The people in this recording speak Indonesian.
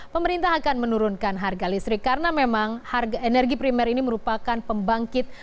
pemerintah akan menurunkan harga listrik karena memang harga energi primer ini merupakan pembangkit